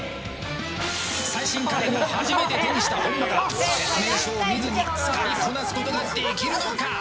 最新家電を初めて手にした本間が説明書を見ずに使いこなすことができるのか。